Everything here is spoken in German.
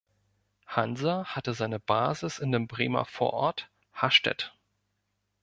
Hansa hatte seine Basis in dem Bremer Vorort Hastedt.